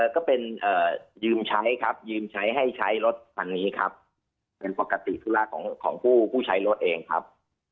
ก็เป็นยืมใช้ครับยืมใช้ให้ใช้รถคันนี้ครับเป็นปกติธุระของผู้ใช้รถเองครับ